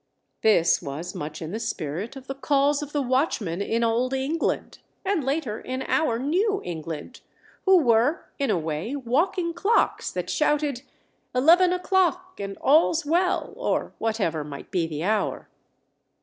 This was much in the spirit of the calls of the watchmen in old England, and later in our New England, who were, in a way, walking clocks that shouted "Eleven o'clock and all's well," or whatever might be the hour.